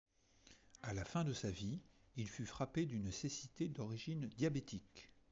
À la fin de sa vie, il fut frappé d'une cécité d'origine diabétique.